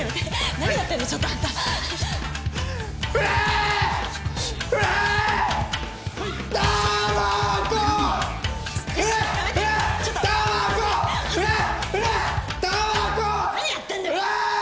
何やってんだよ！